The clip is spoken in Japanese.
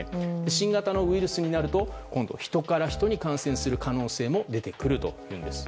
新型のウイルスになると今度は人から人に感染する可能性も出てくるというんです。